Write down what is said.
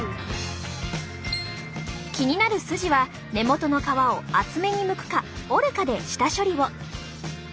気になるスジは根元の皮を厚めにむくか折るかで下処理を。